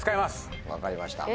分かりました。